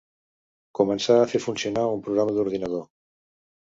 Començar a fer funcionar un programa d'ordinador.